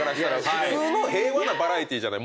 普通の平和なバラエティーじゃない。